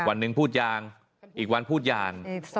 วันหนึ่งพูดยางอีกวันพูดอย่าง